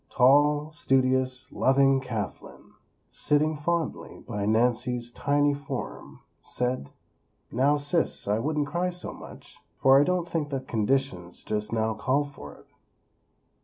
Tall, studious, loving Kathlyn, sitting fondly by Nancy's tiny form, said; "Now, sis; I wouldn't cry so much, for I don't think that conditions, just now, call for it."